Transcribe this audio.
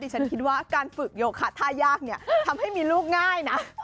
ฉันคิดว่าการฝึกโยคะท่ายากเนี่ยทำให้มีลูกง่ายนะ